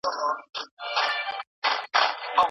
سیاستپوهنه به د یو علم په توګه پاته سي.